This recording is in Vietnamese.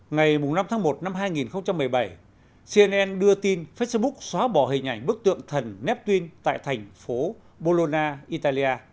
ngày năm tháng một năm hai nghìn một mươi bảy cnn đưa tin facebook xóa bỏ hình ảnh bức tượng thần nepin tại thành phố bollona italia